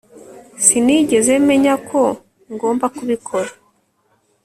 sinigeze menya ko ngomba kubikora